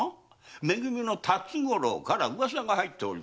め組の辰五郎から噂が入っておりますぞ。